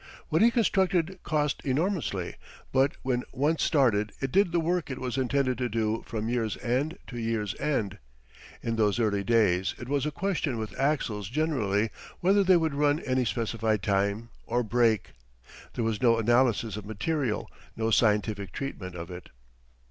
What he constructed cost enormously, but when once started it did the work it was intended to do from year's end to year's end. In those early days it was a question with axles generally whether they would run any specified time or break. There was no analysis of material, no scientific treatment of it.